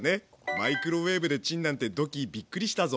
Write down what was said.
マイクロウエーブでチンなんてドッキーびっくりしたぞ。